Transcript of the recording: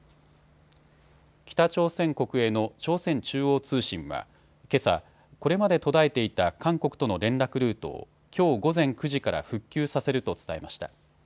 北朝鮮国営の朝鮮中央通信はけさ、これまで途絶えていた韓国との連絡ルートをきょう午前９時から復旧させると伝えました。